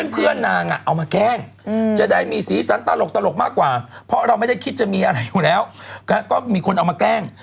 เพราะเราไม่ได้คิดจะมีอะไรอยู่แล้วก็มีคนเอามาแกล้ง